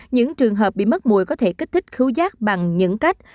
những trường hợp bị mất mùi có thể kích thích khứu rác bằng những cách